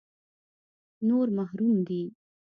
نور محروم دي.